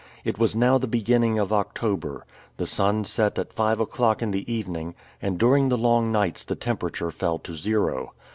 It was now the beginning of October. The sun set at five o'clock in the evening, and during the long nights the temperature fell to zero.